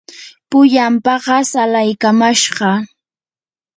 pullan paqas alaykamashqaa.